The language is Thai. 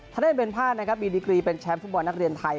ถ้าเล่นเป็นพลาดนะครับมีดีกรีเป็นแชมป์ฟุตบอลนักเรียนไทย